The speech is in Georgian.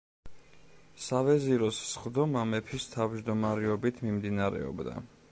სავეზიროს სხდომა მეფის თავმჯდომარეობით მიმდინარეობდა.